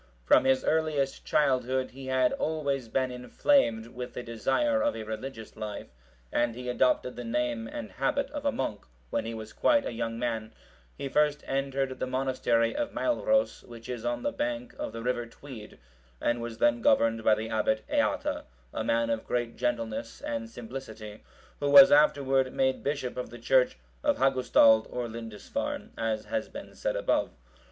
From his earliest childhood(742) he had always been inflamed with the desire of a religious life; and he adopted the name and habit of a monk when he was quite a young man: he first entered the monastery of Mailros,(743) which is on the bank of the river Tweed, and was then governed by the Abbot Eata,(744) a man of great gentleness and simplicity, who was afterward made bishop of the church of Hagustald or Lindisfarne,(745) as has been said above.